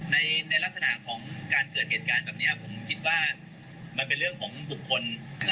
ในลักษณะของการเกิดเหตุการณ์แบบนี้ผมคิดว่ามันเป็นเรื่องของบุคคล